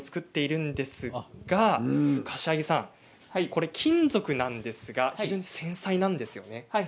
柏木さん、金属なんですが非常に繊細なんですね。